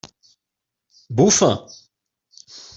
Bufa!